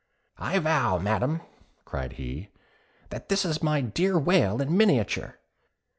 "I vow, Madam," cried he, "that this is my dear Whale in miniature.